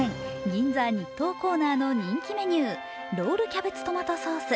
銀座日東コーナーの人気メニューロールキャベツトマトソース。